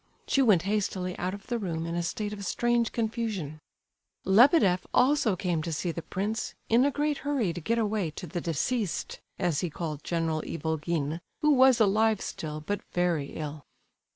She went hastily out of the room in a state of strange confusion. Lebedeff also came to see the prince, in a great hurry to get away to the "deceased," as he called General Ivolgin, who was alive still, but very ill.